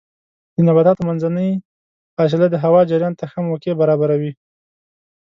د نباتاتو منځنۍ فاصله د هوا جریان ته ښه موقع برابروي.